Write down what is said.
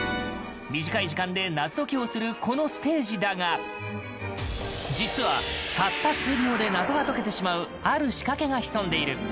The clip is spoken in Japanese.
短い時間で謎解きをするこのステージだが実はたった数秒で謎が解けてしまうある仕掛けが潜んでいる。